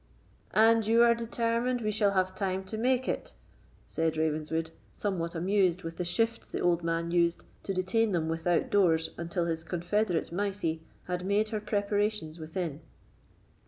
"And you are determined we shall have time to make it," said Ravenswood, somewhat amused with the shifts the old man used to detain them without doors until his confederate Mysie had made her preparations within.